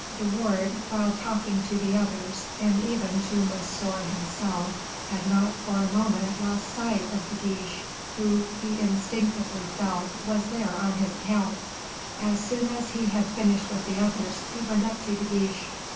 De Wardes, while talking to the others, and even to Monsieur himself, had not for a moment lost sight of De Guiche, who, he instinctively felt, was there on his account. As soon as he had finished with the others, he went up to De Guiche.